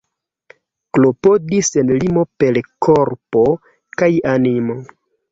Klopodi sen limo per korpo kaj animo.